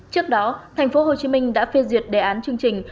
trước đó thành phố hồ chí minh đã phê duyệt đề án chương trình